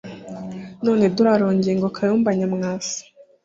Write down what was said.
None dore arongeye ngo Kayumba Nyamwasa